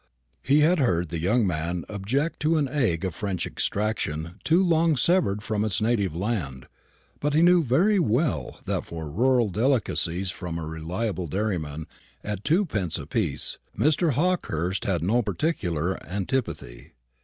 He had heard the young man object to an egg of French extraction too long severed from its native land; but he knew very well that for rural delicacies from a reliable dairyman, at twopence apiece, Mr. Hawkehurst had no particular antipathy.